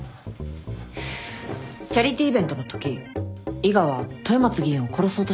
チャリティーイベントのとき伊賀は豊松議員を殺そうとしたよね？